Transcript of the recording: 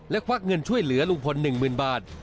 ควักเงินช่วยเหลือลุงพล๑๐๐๐บาท